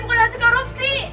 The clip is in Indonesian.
bukan hasil korupsi